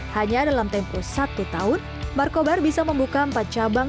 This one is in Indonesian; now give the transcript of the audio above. hanya dalam tempo satu tahun marcobar bisa membuka empat cabang